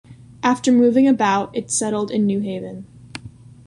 After moving about it settled in New Haven.